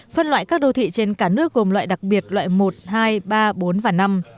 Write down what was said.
phân loại các đô thị trên cả nước gồm loại đặc biệt loại một hai ba bốn và năm